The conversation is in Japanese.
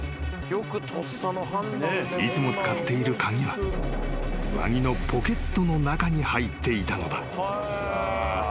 ［いつも使っている鍵は上着のポケットの中に入っていたのだ］